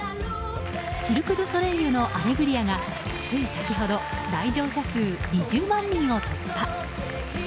シルク・ドゥ・ソレイユの「アレグリア」がつい先ほど来場者数２０万人を突破。